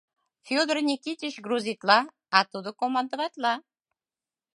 — Федор Никитич грузитла, а тудо командоватла.